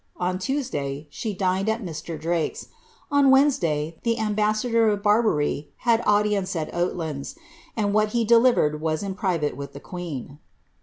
On Tuesday, she (!iD«l at Mr. Drake's ; on Wednesday, the ambassador of Barbary had sudiepte al Oailands, and what he delivered was in private with the queen.'